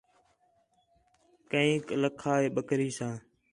کینک لَکھا ہے بکری ساں